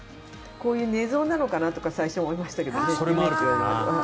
こういう寝相なのかなって最初、思いましたけどね。